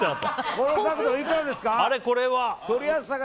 この角度、いくらですか？